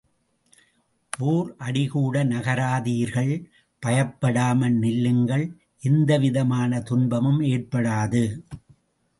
ஓர் அடிகூட நகராதீர்கள், பயப்படாமல் நில்லுங்கள், எந்தவிதமான துன்பமும் ஏற்படாது.